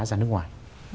ra nước ngoài